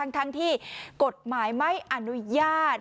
ทั้งที่กฎหมายไม่อนุญาต